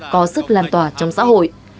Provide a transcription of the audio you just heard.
đồng tòa trong xã hội